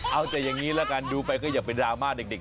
เอาแต่อย่างนี้ละกันดูไปก็อย่าเป็นดราม่าเด็ก